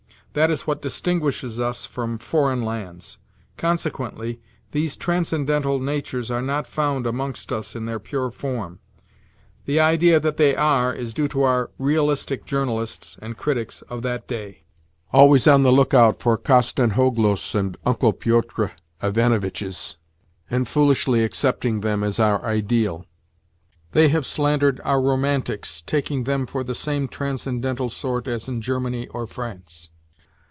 That is what distinguishes us from foreign lands. Consequently these transcendental natures are not found amongst us in their pure form. The idea that they are is due to our " realistic " journalists and critics of that day. always on the look out for Kostanzhoglos and Uncle Pyotr Ivanitchs and foolishly accepting them as our ideal ; they have slandered our romantics, taking them for the same tran scendental sort as in Germany or France.